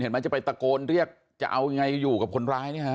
จะไปตะโกนเรียกจะเอายังไงอยู่กับคนร้ายเนี่ยฮะ